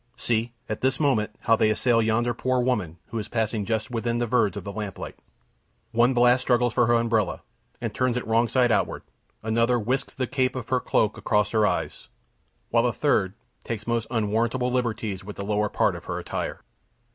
See, at this moment, how they assail yonder poor woman, who is passing just within the verge of the lamplight! One blast struggles for her umbrella, and turns it wrong side outward; another whisks the cape of her cloak across her eyes; while a third takes most unwarrantable liberties with the lower part of her attire.